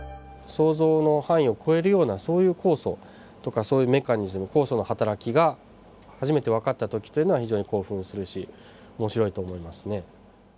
想像の範囲を超えるようなそういう酵素とかメカニズム酵素の働きが初めて分かった時というのは非常に興奮するし面白いと思いますね。